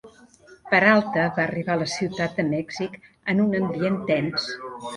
Peralta va arribar a la ciutat de Mèxic en un ambient tens.